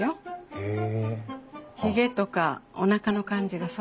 へえ。